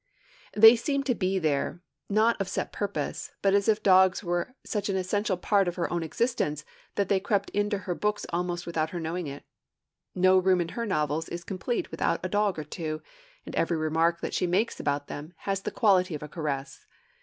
They seem to be there, not of set purpose, but as if dogs were such an essential part of her own existence that they crept into her books almost without her knowing it. No room in her novels is complete without a dog or two; and every remark that she makes about them has the quality of a caress.